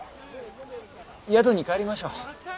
宿に帰りましょう。